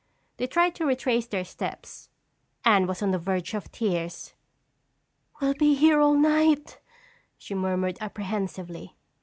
They tried to retrace their steps. Anne was on the verge of tears. "We'll be here all night," she murmured apprehensively.